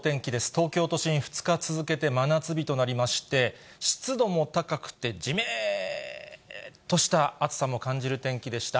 東京都心、２日続けて真夏日となりまして、湿度も高くて、じめーっとした暑さも感じる天気でした。